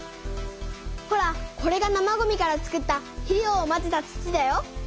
ほらこれが生ごみから作った肥料をまぜた土だよ。